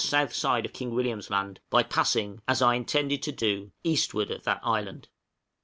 side of King William's Land, by passing (as I intended to do) eastward of that island.